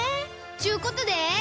ちゅうことで。